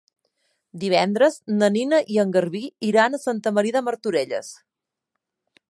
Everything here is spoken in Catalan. Divendres na Nina i en Garbí iran a Santa Maria de Martorelles.